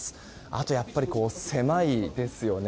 あとやっぱり狭いですよね。